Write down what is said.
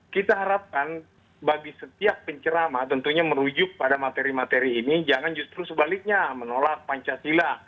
kita harapkan bagi setiap pencerama tentunya merujuk pada materi materi ini jangan justru sebaliknya menolak pancasila